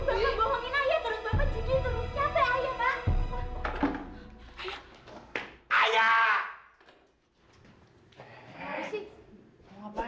bapak bohongin ayah terus bapak judul terus